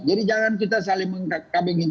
jadi jangan kita saling mengkabingin